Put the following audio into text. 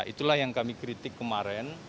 itulah yang kami kritik kemarin